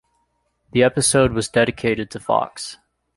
The episode was dedicated to Fox.